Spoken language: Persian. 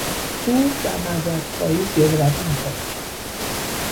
او در معذرت خواهی زیادهروی میکند.